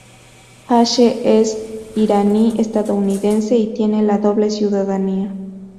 Ashe es iraní-estadounidense y tiene la doble ciudadanía.